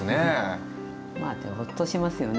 まあほっとしますよね。